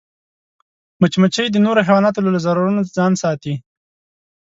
مچمچۍ د نورو حیواناتو له ضررونو ځان ساتي